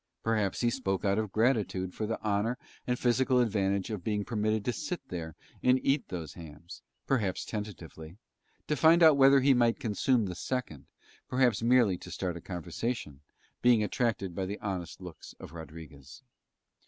Perhaps he spoke out of gratitude for the honour and physical advantage of being permitted to sit there and eat those hams, perhaps tentatively, to find out whether he might consume the second, perhaps merely to start a conversation, being attracted by the honest looks of Rodriguez.